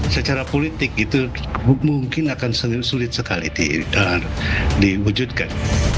secara politik itu mungkin akan sulit sekali diwujudkan